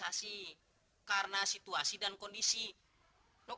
nah gak usah tampang muka polos deh